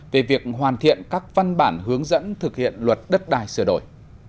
về việc hoàn thiện các văn bản hướng dẫn thực hiện luật đất đai sửa đổi